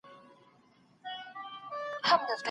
زه به هيڅکله په ورين تندي ورکړه نه پريږدم.